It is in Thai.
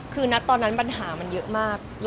คือนะตอนนั้นปัญหามันเยอะมาก